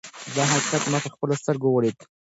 دا حقیقت ما په خپلو سترګو ولید.